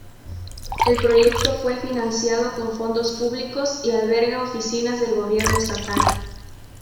El proyecto fue financiado con fondos públicos y alberga oficinas del gobierno estatal.